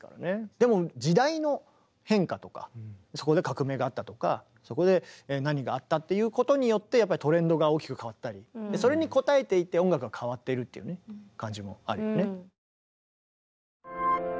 でも時代の変化とかそこで革命があったとかそこで何があったっていうことによってトレンドが大きく変わったりそれに応えていって音楽が変わってるっていうね感じもあるよね。